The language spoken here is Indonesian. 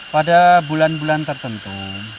pada bulan bulan tertentu